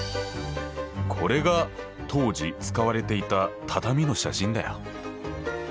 これが当時使われていた畳の写真だよ。